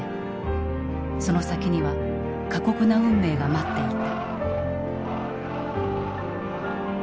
その先には過酷な運命が待っていた。